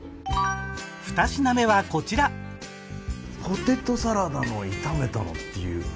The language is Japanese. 二品目はこちらポテトサラダの炒めたのっていう。